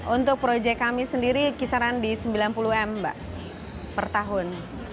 untuk proyek kami sendiri kisaran di sembilan puluh m mbak per tahun